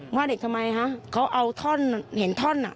ว่าเด็กทำไมฮะเขาเอาท่อนเห็นท่อนอ่ะ